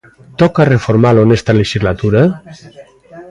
Toca reformalo nesta lexislatura?